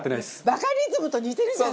「バカリズム」と似てるじゃん。